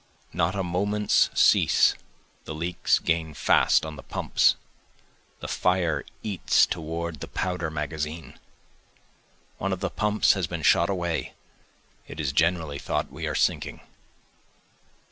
Not a moment's cease, The leaks gain fast on the pumps, the fire eats toward the powder magazine. One of the pumps has been shot away, it is generally thought we are sinking.